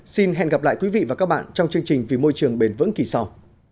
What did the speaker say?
xin hẹn gặp lại quý vị và các bạn trong chương trình vì môi trường bền vững kỳ sau